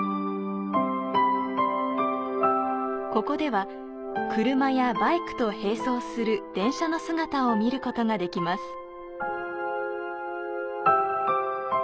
ここでは車やバイクと並走する電車の姿を見ることができます。